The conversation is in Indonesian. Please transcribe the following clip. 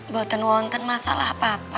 boten wonten masalah apa apa